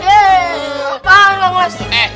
enggak ngeles dia deh